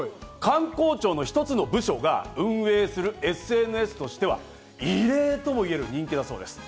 官公庁の一つの部署が運営するＳＮＳとしては、異例ともいえる人気だそうです。